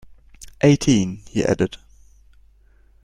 Eighteen, he added.